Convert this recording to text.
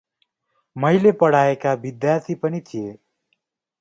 मैले पढाएका विद्यार्थी पनि थिए ।